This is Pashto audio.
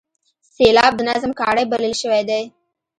سېلاب د نظم کاڼی بلل شوی دی.